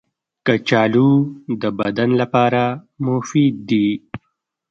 کچالو د بدن لپاره مفید دي